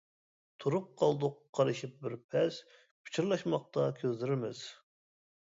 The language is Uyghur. تۇرۇپ قالدۇق قارىشىپ بىر پەس، پىچىرلاشماقتا كۆزلىرىمىز.